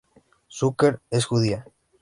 Zucker es judía.